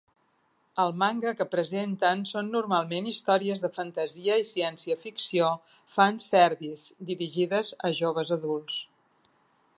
El manga que presenten són normalment històries de fantasia i ciència ficció "fanservice" dirigides a joves adults.